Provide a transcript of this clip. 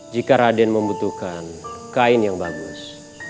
jika raden membutuhkan kain yang bagus